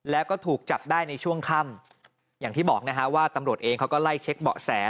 แล้วก็ถูกจับได้ในช่วงค่ำอย่างที่บอกนะฮะว่าตำรวจเองเขาก็ไล่เช็คเบาะแส